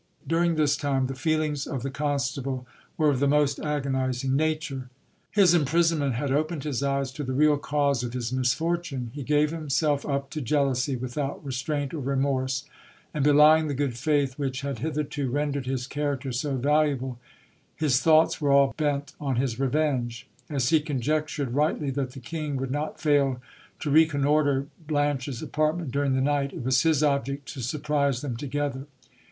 During this time the feelings of the constable were of the most agonizing na ture. His imprisonment had opened his eyes to the real cause of his misfor tune. He gave himself up to jealousy without restraint or remorse, and bely ing the good faith which had hitherto rendered his character so valuable, his thoughts were all bent on his revenge. As he conjectured rightly that the king would not fail to reconnoitre Blanche's apartment during the night, it was his object to surprise them together.